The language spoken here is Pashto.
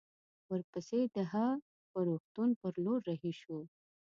ورپسې د هه چه روغتون پر لور رهي شوو.